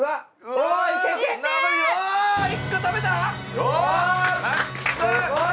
おすごい！